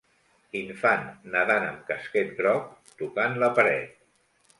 Infant nadant amb casquet groc tocant la paret